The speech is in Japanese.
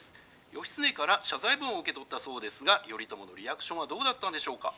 義経から謝罪文を受け取ったそうですが頼朝のリアクションはどうだったんでしょうか？』。